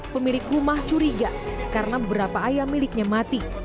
pemilik rumah curiga karena beberapa ayam miliknya mati